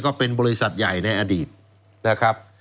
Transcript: ก็เป็นบริษัทใหญ่ในอดีตนะครับ